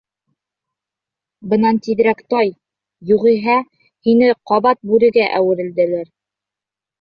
Бынан тиҙерәк тай, юғиһә һине ҡабат бүрегә әүерелдерер.